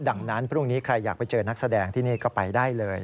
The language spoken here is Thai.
ดังนั้นพรุ่งนี้ใครอยากไปเจอนักแสดงที่นี่ก็ไปได้เลย